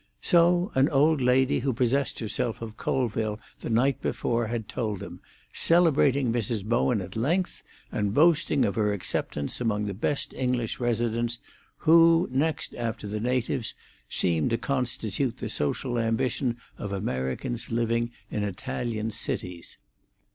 So an old lady who possessed herself of Colville the night before had told him, celebrating Mrs. Bowen at length, and boasting of her acceptance among the best English residents, who, next after the natives, seem to constitute the social ambition of Americans living in Italian cities.